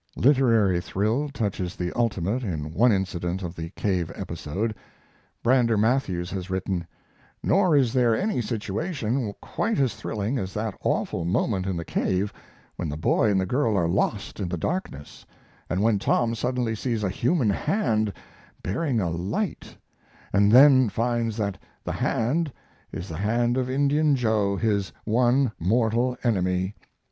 Literary thrill touches the ultimate in one incident of the cave episode. Brander Matthews has written: Nor is there any situation quite as thrilling as that awful moment in the cave when the boy and girl are lost in the darkness, and when Tom suddenly sees a human hand bearing a light, and then finds that the hand is the hand of Indian Joe, his one mortal enemy.